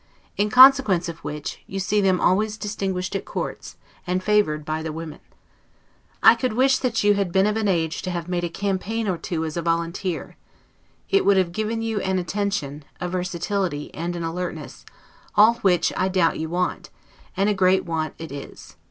In consequence of which, you see them always distinguished at courts, and favored by the women. I could wish that you had been of an age to have made a campaign or two as a volunteer. It would have given you an attention, a versatility, and an alertness; all which I doubt you want; and a great want it is.